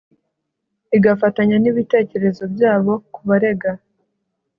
igafatanya n'ibitekerezo byabo kubarega